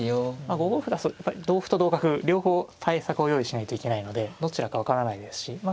５五歩だと同歩と同角両方対策を用意しないといけないのでどちらか分からないですしまあ